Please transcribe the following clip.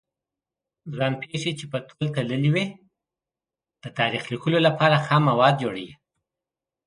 ځان پېښې چې په تول تللې وي د تاریخ لیکلو لپاره خام مواد جوړوي.